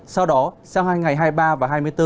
sau đó sáng ngày hai mươi ba và hai mươi bốn